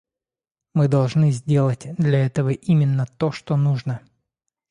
Мы должны сделать для этого именно то, что нужно.